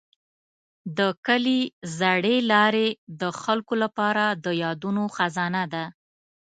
د کلي زړې لارې د خلکو لپاره د یادونو خزانه ده.